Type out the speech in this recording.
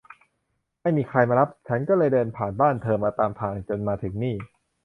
ไม่มีใครมารับ ฉันก็เลยเดินผ่านบ้านเธอมาตามทางจนมาถึงนี่